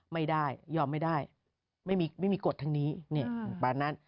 ไม่ได้ยอมไม่ได้ไม่มีกฎทั้งนี้แบบนั้น